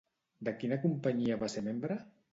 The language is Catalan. De quina companyia va ser membre?